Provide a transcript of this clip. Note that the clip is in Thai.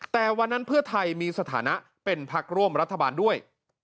แต่วันนั้นเพื่อไทยมีสถานะเป็นพักร่วมรัฐบาลด้วย